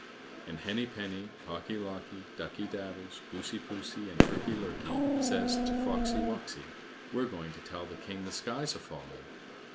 And Henny penny, Cocky locky, Ducky daddles, Goosey poosey, and Turkey lurkey says to Foxy woxey: "We're going to tell the king the sky's a falling."